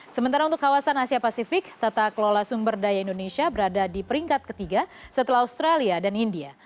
sementara untuk kawasan asia pasifik tata kelola sumber daya indonesia berada di peringkat ketiga setelah australia dan india